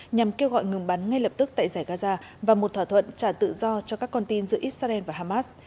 nhằm kêu gọi ngừng bắn ngay lập tức tại giải gaza và một thỏa thuận trả tự do cho các con tin giữa israel và hamas